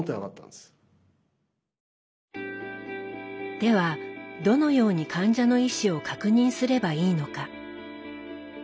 ではどのように患者の意思を確認すればいいのか。